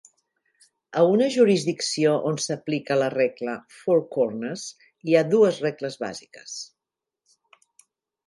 A una jurisdicció on s'aplica la regla "Four Corners", hi ha dues regles bàsiques.